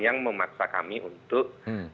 yang memaksa kami untuk